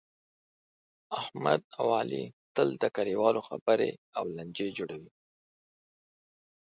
احمد اوعلي تل د کلیوالو خبرې او لانجې جوړوي.